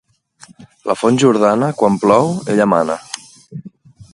La font Jordana, quan plou, ella mana.